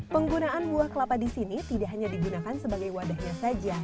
penggunaan buah kelapa di sini tidak hanya digunakan sebagai wadahnya saja